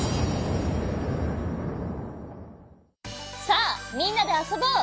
さあみんなであそぼう！